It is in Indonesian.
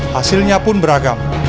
hasilnya pun beragam